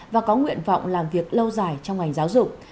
và có nguyện vọng làm việc lâu dài trong ngành giáo dục